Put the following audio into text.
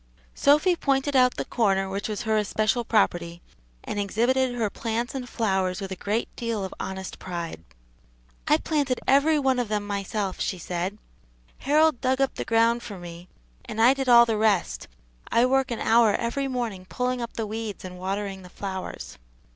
Sophy pointed out the corner which was her especial property, and exhibited her plants and flowers with a great deal of honest pride. "I planted every one of them myself," she said. "Harold dug up the ground for me, and I did all the rest, I work an hour every morning pulling up the weeds and watering the flowers."